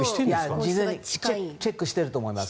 事前にチェックしていると思います。